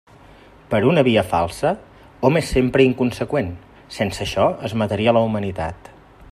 Per una via falsa, hom és sempre inconseqüent, sense això es mataria la humanitat.